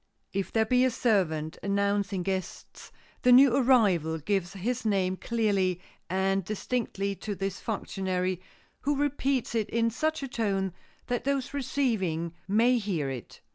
If there be a servant announcing guests the new arrival gives his name clearly and distinctly to this functionary, who repeats it in such a tone that those receiving may hear it.